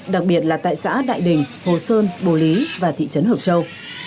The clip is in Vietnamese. đặc biệt là tại xã đại đình hồ sơn bồ lý và thị trấn hợp châu